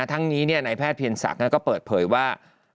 ทั้งนี้นายแพทย์เพียรศักดิ์ก็เปิดเผยว่า